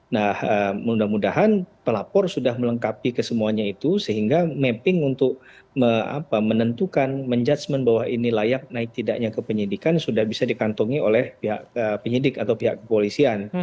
nah mudah mudahan pelapor sudah melengkapi kesemuanya itu sehingga mapping untuk menentukan menjudgement bahwa ini layak naik tidaknya ke penyidikan sudah bisa dikantongi oleh pihak penyidik atau pihak kepolisian